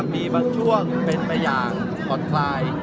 มีบางช่วงเป็นประหย่างคอนฟราย